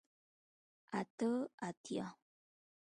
اته اتیا